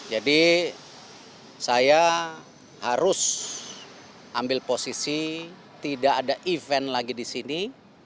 jadi saya harus ambil posisi tidak ada event lagi di sini